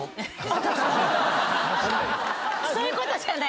そういうことじゃないの。